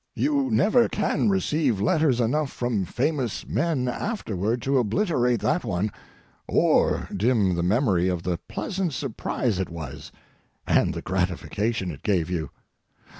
You never can receive letters enough from famous men afterward to obliterate that one, or dim the memory of the pleasant surprise it was, and the gratification it gave you.